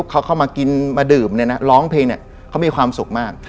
เขามากินมาดื่มร้องเพลงเขามีความสุขมาก